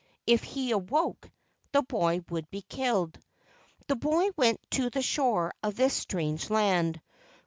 If he awoke, the boy would be killed. The boy went to the shore of this strange land.